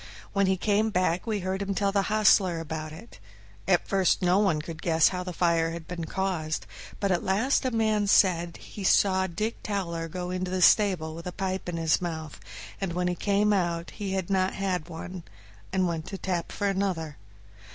When he came back we heard him tell the hostler about it. At first no one could guess how the fire had been caused, but at last a man said he saw Dick Towler go into the stable with a pipe in his mouth, and when he came out he had not one, and went to the tap for another.